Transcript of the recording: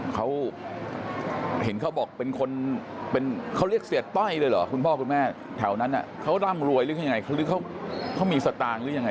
เขาเห็นเขาบอกเป็นคนเขาเรียกเสียต้อยเลยเหรอคุณพ่อคุณแม่แถวนั้นเขาร่ำรวยหรือยังไงหรือเขามีสตางค์หรือยังไง